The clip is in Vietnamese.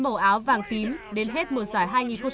màu áo vàng tím đến hết mùa giải